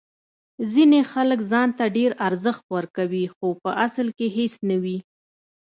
ځینې خلک ځان ته ډیر ارزښت ورکوي خو په اصل کې هیڅ نه وي.